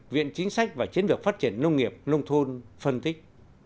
viện chính sách và chiến lược phát triển nông nghiệp nông thôn phân tích